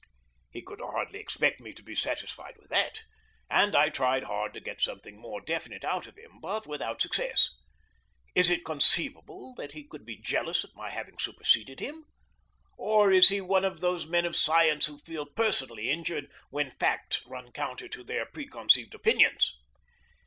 He could hardly expect me to be satisfied with that, and I tried hard to get something more definite out of him, but without success. Is it conceivable that he could be jealous at my having superseded him? Or is he one of those men of science who feel personally injured when facts run counter to their preconceived opinions?